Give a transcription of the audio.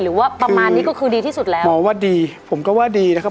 หรือว่าประมาณนี้ก็คือดีที่สุดแล้วหมอว่าดีผมก็ว่าดีนะครับ